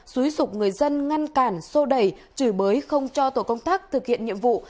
xuý sụp người dân ngăn cản sô đẩy chửi bới không cho tổ công tác thực hiện nhiệm vụ